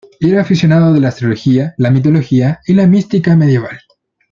Era aficionado a la astrología, la mitología y la mística medieval.